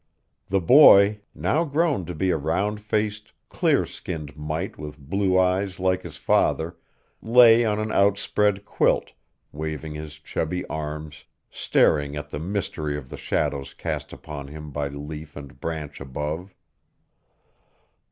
The boy, now grown to be a round faced, clear skinned mite with blue eyes like his father, lay on an outspread quilt, waving his chubby arms, staring at the mystery of the shadows cast upon him by leaf and branch above.